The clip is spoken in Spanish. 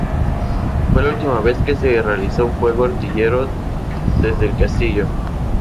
Fue la última vez que se realizó fuego artillero desde el castillo.